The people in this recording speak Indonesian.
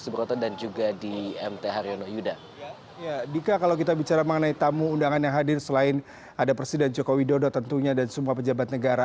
dika kalau kita bicara mengenai tamu undangan yang hadir selain ada presiden jokowi dodo tentunya dan semua pejabat negara